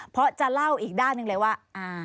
เพราะจะเล่าอีกด้านหนึ่งเลยว่า